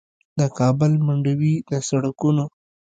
د کابل منډوي د سړکونو